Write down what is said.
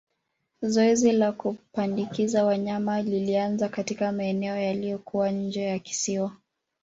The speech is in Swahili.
Zoezi la kupandikiza wanyama lilianza katika maeneo yaliyoko nje ya kisiwa